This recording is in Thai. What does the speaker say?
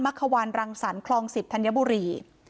มะเขวิร์นรังสรรคลอง๑๐ธัญบุรี